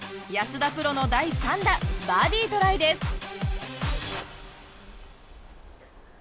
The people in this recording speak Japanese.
安田プロの第３打バーディトライです。